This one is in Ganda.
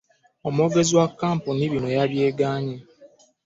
Omwogezi wa kkampuni bino yabyegaanyi.